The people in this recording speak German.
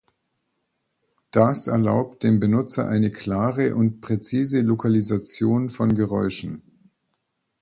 Das erlaubt dem Benutzer eine klare und präzise Lokalisation von Geräuschen.